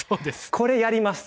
これやります。